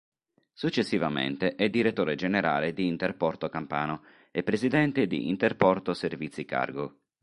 Successivamente è direttore generale di Interporto Campano e presidente di Interporto Servizi Cargo.